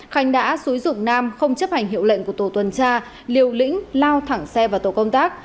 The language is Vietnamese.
khánh đã xúi dụng nam không chấp hành hiệu lệnh của tổ tuần tra liều lĩnh lao thẳng xe vào tổ công tác